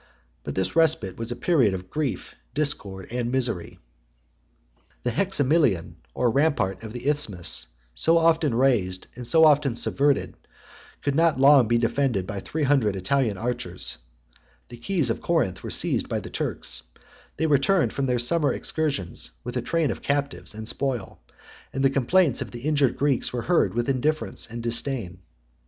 But this respite was a period of grief, discord, and misery. The hexamilion, the rampart of the Isthmus, so often raised and so often subverted, could not long be defended by three hundred Italian archers: the keys of Corinth were seized by the Turks: they returned from their summer excursions with a train of captives and spoil; and the complaints of the injured Greeks were heard with indifference and disdain.